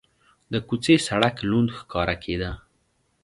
د کوڅې سړک لوند ښکاره کېده.